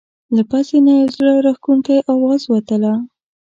له پزې نه یو زړه راښکونکی اواز وتله.